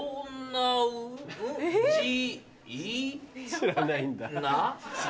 知らないんだ。